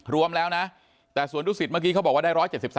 รวมแล้วนะแต่สวนดุสิตเมื่อกี้เขาบอกว่าได้๑๗๓